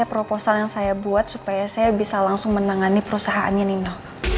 proposal yang saya buat supaya saya bisa langsung menangani perusahaannya nino